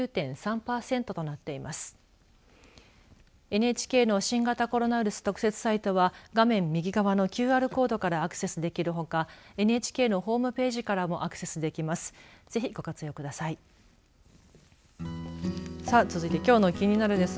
ＮＨＫの新型コロナウイルス特設サイトは画面右側のＱＲコードからアクセスできるほかＮＨＫのホームページからもアクセスできます。